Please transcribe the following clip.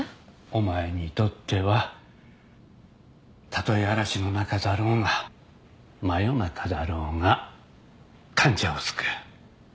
お前にとってはたとえ嵐の中だろうが真夜中だろうが患者を救う。